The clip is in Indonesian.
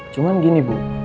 cuma begini bu